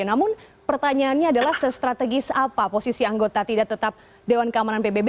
namun pertanyaannya adalah se strategis apa posisi anggota tidak tetap dewan keamanan pbb